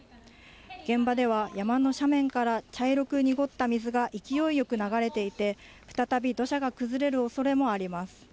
現場では山の斜面から茶色く濁った水が勢いよく流れていて、再び土砂が崩れるおそれもあります。